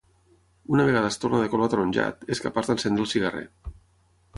Una vegada es torna de color ataronjat, és capaç d'encendre el cigarret.